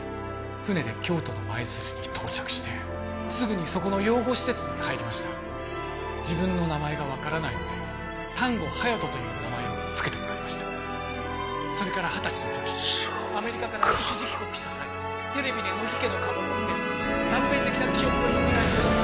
船で京都の舞鶴に到着してすぐにそこの養護施設に入りました自分の名前が分からないので丹後隼人という名前をつけてもらいましたそれから二十歳の時そうかアメリカから一時帰国した際テレビで乃木家の家紋を見て断片的な記憶がよみがえりました